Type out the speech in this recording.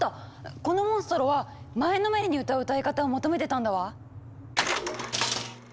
このモンストロは前のめりに歌う歌い方を求めてたんだわ！